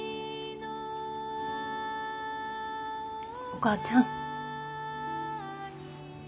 お母ちゃん。